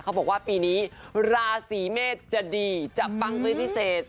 เขาบอกว่าปีนี้ราศีเมษจะดีจะปังเป็นพิเศษ